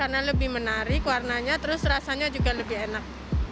karena lebih menarik warnanya terus rasanya juga lebih enak